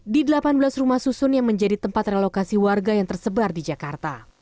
di delapan belas rumah susun yang menjadi tempat relokasi warga yang tersebar di jakarta